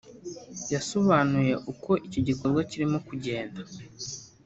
yasobanuye uko iki gikorwa kirimo kugenda